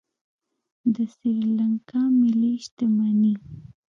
د سریلانکا ملي شتمني